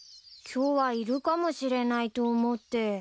今日はいるかもしれないと思って。